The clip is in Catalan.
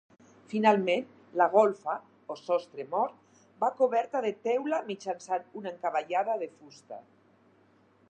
Finalment, la golfa o sostre mort va coberta de teula mitjançant una encavallada de fusta.